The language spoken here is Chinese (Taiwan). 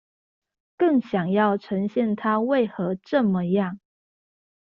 更想要呈現他為何這麼樣